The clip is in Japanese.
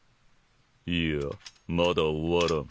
いやまだ終わらん。